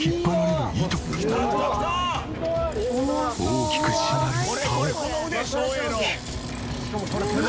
大きくしなる竿。